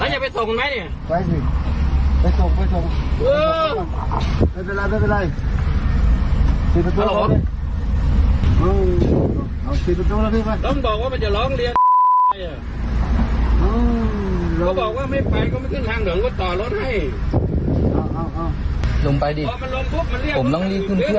เขาจะไม่ทันเครื่องปิดประตูฮอมไลน์เลย